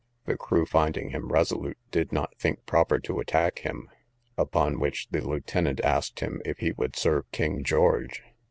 The crew, finding him resolute, did not think proper to attack him: upon which the lieutenant asked him, if he would serve king George.